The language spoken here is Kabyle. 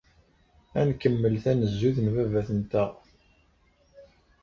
Ad nkemmel tanezzut n baba-tenteɣ.